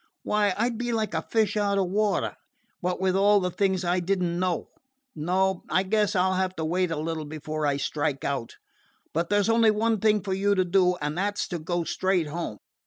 Why, I 'd be like a fish out of water, what with all the things I did n't know. Nope; I guess I 'll have to wait a little before I strike out. But there 's only one thing for you to do, and that 's to go straight home.